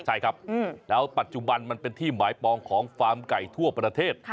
ใช่ครับแล้วปัจจุบันมันเป็นที่หมายปองของฟาร์มไก่ทั่วประเทศ